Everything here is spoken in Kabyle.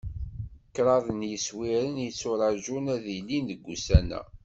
Kraḍ n yiswiren i yetturaǧun ad d-ilin deg wussan-a.